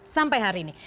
sampai hari ini